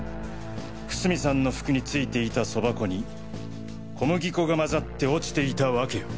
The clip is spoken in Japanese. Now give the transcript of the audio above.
楠見さんの服に付いていたそば粉に小麦粉が混ざって落ちていた訳を。